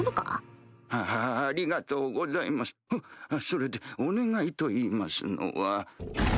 それでお願いといいますのは。